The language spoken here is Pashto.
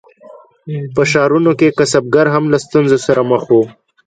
په ښارونو کې کسبګر هم له ستونزو سره مخ وو.